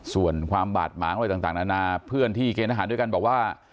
ส่วนความบาดหมางอะไรต่างนานาเพื่อนที่เกณฑ์อาหารด้วยกันบอกว่า